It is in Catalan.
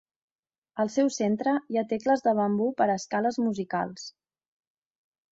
Al seu centre, hi ha tecles de bambú per a escales musicals.